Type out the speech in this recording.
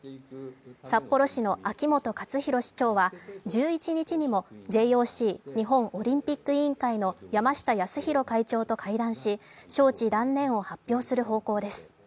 札幌市の秋元克広市長は１１日にもＪＯＣ＝日本オリンピック委員会の山下泰裕会長と会談し、招致断念を発表する方向です。